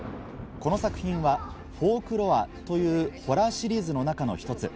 この作品は『フォークロア』というホラーシリーズの中の一つ。